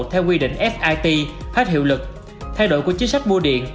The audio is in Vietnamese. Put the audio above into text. theo quy định sip hết hiệu lực thay đổi của chính sách mua điện